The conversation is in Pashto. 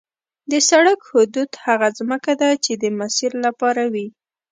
د سړک حدود هغه ځمکه ده چې د مسیر لپاره وي